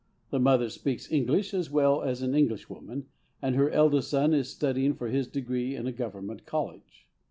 The mother speaks English as well as an Englishwoman, and her eldest son is studying for his degree in a Government college.